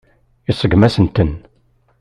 Iseggem-asent-ten.